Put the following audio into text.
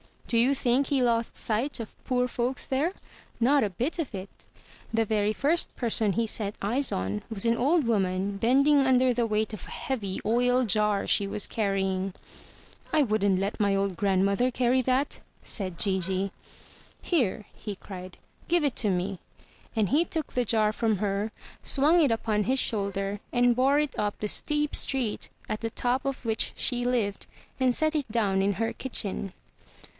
Do you think he lost sight of poor folks there? Not a bit of it! The very first person he set eyes on was an old woman bending under the weight of a heavy oil jar she was carrying. " I wouldn't let my old grandmother carry that," said Gigi. "Here!" he cried, "give it to me." And he took the jar from her, swung it upon his shoulder, and bore it up the steep street at the top of which she lived, and set it down in her kitchen.